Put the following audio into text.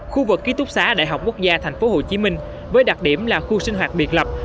khu vực ký túc xá đại học quốc gia tp hcm với đặc điểm là khu sinh hoạt biệt lập